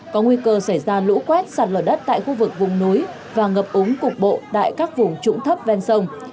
có nguy cơ xảy ra lũ quét sạt lở đất tại khu vực vùng núi và ngập úng cục bộ tại các vùng trũng thấp ven sông